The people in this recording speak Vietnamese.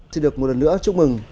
xin được một lần nữa chúc mừng